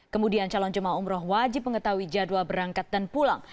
kemudian calon jemaah umroh wajib mengetahui jadwal berangkat dan pulang